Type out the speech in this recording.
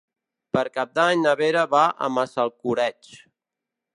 Per Cap d'Any na Vera va a Massalcoreig.